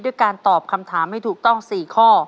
การตอบคำถามให้ถูกต้อง๔ข้อ